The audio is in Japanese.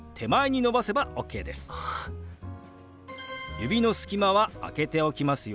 指の隙間は空けておきますよ